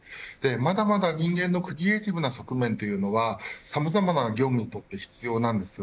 まだまだ人間のクリエイティブな側面というのはさまざまな業務にとって必要なんです。